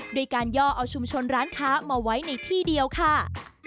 ด้วยการย่อเอาชุมชนร้านค้ามาไว้ในที่เดียวค่ะ